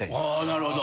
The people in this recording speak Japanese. なるほど。